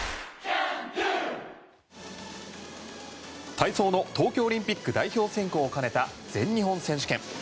体操の東京オリンピック代表選考を兼ねた全日本選手権。